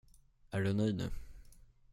Är du nöjd nu?